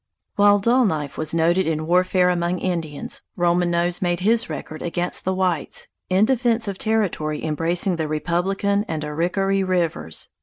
While Dull Knife was noted in warfare among Indians, Roman Nose made his record against the whites, in defense of territory embracing the Republican and Arickaree rivers.